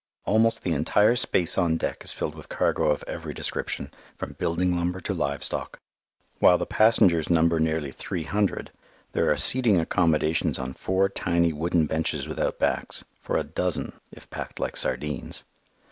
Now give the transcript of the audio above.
Almost the entire space on deck is filled with cargo of every description, from building lumber to live stock. While the passengers number nearly three hundred, there are seating accommodations on four tiny wooden benches without backs, for a dozen, if packed like sardines.